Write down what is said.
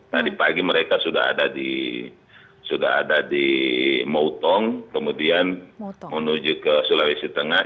tadi pagi mereka sudah ada di moutong kemudian menuju ke sulawesi tengah